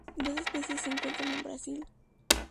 Dos especies se encuentra en Brasil.